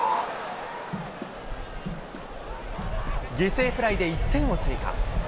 犠牲フライで１点を追加。